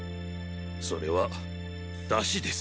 それは出汁です。